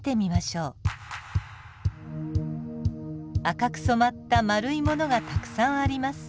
赤く染まった丸い物がたくさんあります。